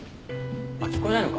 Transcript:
あっ聞こえないのか。